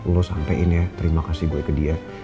lo sampein ya terima kasih gue ke dia